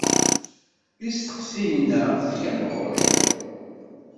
Isteqsiyen-a zgan ɣur-i.